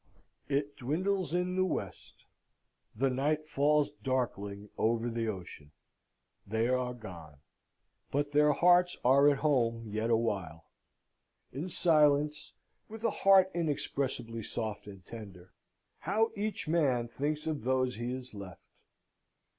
It dwindles in the West. The night falls darkling over the ocean. They are gone: but their hearts are at home yet a while. In silence, with a heart inexpressibly soft and tender, how each man thinks of those he has left!